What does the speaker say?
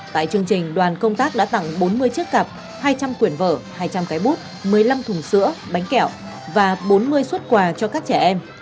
tại chương trình đoàn công tác đã tặng bốn mươi chiếc cặp hai trăm linh quyển vở hai trăm linh cái bút một mươi năm thùng sữa bánh kẹo và bốn mươi suất quà cho các trẻ em